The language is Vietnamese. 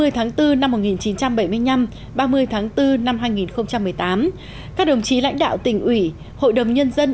ba mươi tháng bốn năm một nghìn chín trăm bảy mươi năm ba mươi tháng bốn năm hai nghìn một mươi tám các đồng chí lãnh đạo tỉnh ủy hội đồng nhân dân